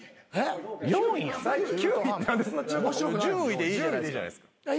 １０位でいいじゃないですか。